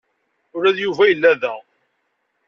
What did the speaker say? Ula d Yuba yella da.